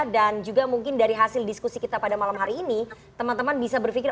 dan juga mungkin dari hasil diskusi kita pada malam hari ini teman teman bisa berpikir